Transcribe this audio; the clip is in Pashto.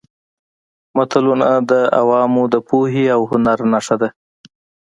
متلونه د عوامو د پوهې او هنر نښه ده